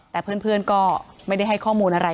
แต่เพื่อนก็ไม่ได้ให้ข้อมูลอะไร